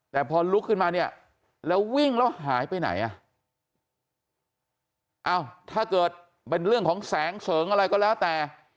แต่พอลุกขึ้นมาเนี่ยแล้ววิ่งแล้วหายไปไหนอ่ะอ้าวถ้าเกิดเป็นเรื่องของแสงเสริงอะไรก็แล้วแต่